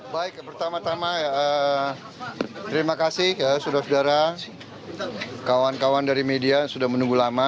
baik pertama tama terima kasih saudara saudara kawan kawan dari media sudah menunggu lama